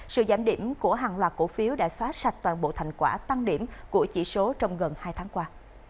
sự giảm điểm của hàng loạt cổ phiếu đã xóa sạch toàn bộ thành quả tăng điểm của chỉ số trong gần hai tháng qua